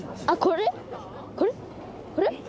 これ？